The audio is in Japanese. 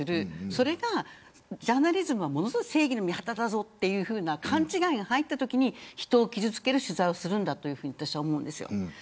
それがジャーナリズムは正義の味方だぞという勘違いが入ったときに人を傷つける取材をするんだと思うんです。